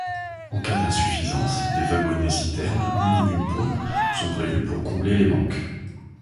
En cas d'insuffisance, des wagonnets-citernes munis d'une pompe sont prévus pour combler les manques.